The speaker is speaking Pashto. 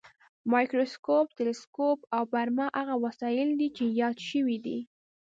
مایکروسکوپ، تلسکوپ او برمه هغه وسایل دي چې یاد شوي دي.